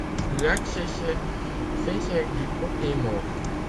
L'accès se faisait du côté nord.